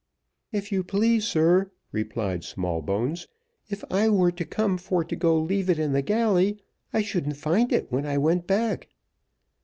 "If you please, sir," replied Smallbones, "if I were to come for to go to leave it in the galley, I shouldn't find it when I went back."